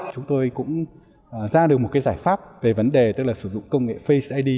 chúng tôi cũng ra được một giải pháp về vấn đề sử dụng công nghệ face id